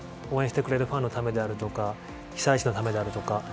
応援してくれるファンのためであるとか被災者のためであるとか。